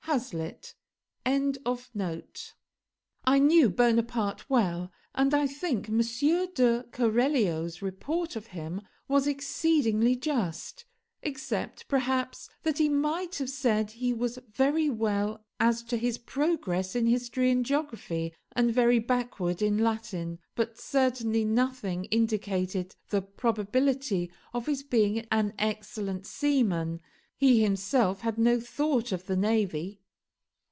Hazlitt.] I knew Bonaparte well; and I think M. de Keralio's report of him was exceedingly just, except, perhaps, that he might have said he was very well as to his progress in history and geography, and very backward in Latin; but certainly nothing indicated the probability of his being an excellent seaman. He himself had no thought of the navy.